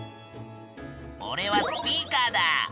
おれはスピーカーだ。